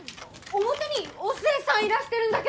表にお寿恵さんいらしてるんだけど！